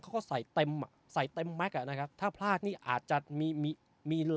เขาก็ใส่เต็มอ่ะใส่เต็มแม็กซอ่ะนะครับถ้าพลาดนี่อาจจะมีมี